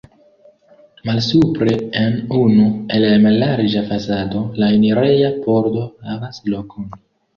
Malsupre en unu el la mallarĝa fasado la enireja pordo havas lokon.